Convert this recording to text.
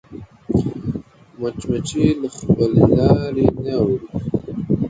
مچمچۍ له خپلې لارې نه اوړي